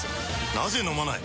なぜ飲まない？